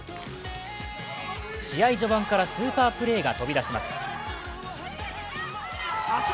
試合序盤からスーパープレーが飛び出します。